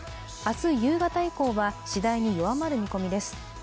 明日夕方以降は次第に弱まる見込みです。